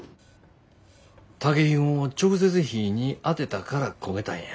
竹ひごを直接火ぃに当てたから焦げたんや。